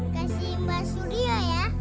kasih mbak suryo ya